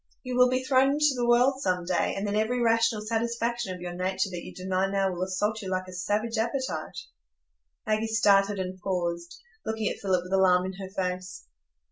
You will be thrown into the world some day, and then every rational satisfaction of your nature that you deny now will assault you like a savage appetite." Maggie started and paused, looking at Philip with alarm in her face.